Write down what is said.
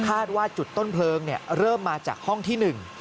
คาดว่าจุดต้นเพลิงเนี่ยเริ่มมาจากห้องที่หนึ่ง